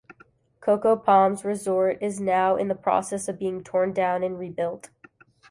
Coco Palms resort is now in the process of being torn down and rebuilt.